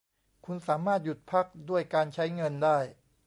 คุณสามารถหยุดพักด้วยการใช้เงินได้